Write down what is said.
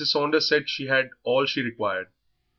Saunders said she had all she required.